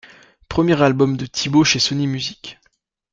Premier album de Thibault chez Sony Music.